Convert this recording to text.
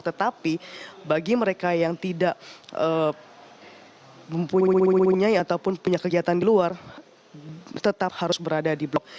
tetapi bagi mereka yang tidak mempunyai ataupun punya kegiatan di luar tetap harus berada di blok